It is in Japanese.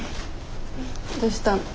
どうしたの？